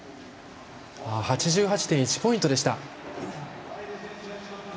８８．１ポイントでした。